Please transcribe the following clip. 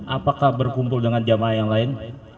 apakah berkumpul dengan jamaah yang lain